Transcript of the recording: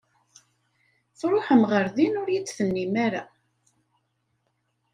Tṛuḥem ɣer din ur iyi-d-tennim ara!